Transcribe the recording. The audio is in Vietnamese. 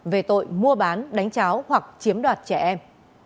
về tội mua bán đánh cháo hoặc chiếm đoạt trẻ em